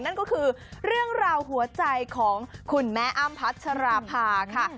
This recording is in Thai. นั่นก็คือเรื่องราวหัวใจของคุณแม่อ้ำพัชราภาค่ะ